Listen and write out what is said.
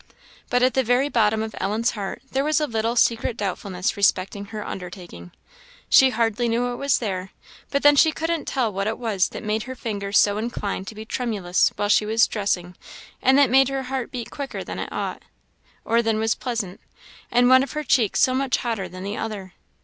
But at the very bottom of Ellen's heart there was a little secret doubtfulness respecting her undertaking. She hardly knew it was there, but then she couldn't tell what it was that made her fingers so inclined to be tremulous while she was dressing, and that made her heart beat quicker than it ought, or than was pleasant, and one of her cheeks so much hotter than the other.